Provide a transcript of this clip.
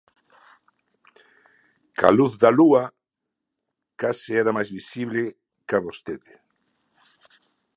Coa luz da lúa case era máis visible ca vostede.